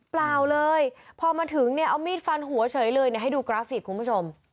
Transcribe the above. เปล่าเลยพอมาถึงเนี่ยเอามีดฟันหัวเฉยเลยให้ดูกราฟิกคุณผู้ชม